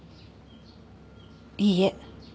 いいえ。